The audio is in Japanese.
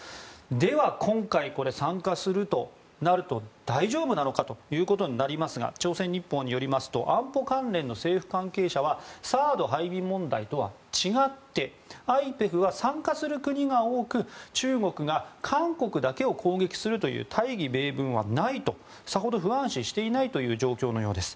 では、今回参加するとなると大丈夫なのかということになりますが朝鮮日報によりますと安保関連の政府関係者はＴＨＡＡＤ配備問題とは違ってＩＰＥＦは参加する国が多く中国が韓国だけを攻撃するという大義名分はないとさほど不安視していないという状況のようです。